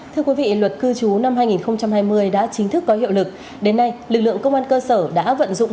thưa quý vị luật cư trú năm hai nghìn hai mươi đã chính thức có hiệu lực đến nay lực lượng công an cơ sở đã vận dụng